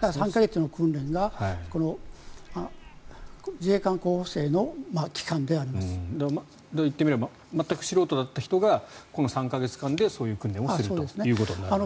３か月の訓練が自衛官候補生の言ってみれば全く素人だった人がこの３か月間でそういう訓練をするということになるわけですね。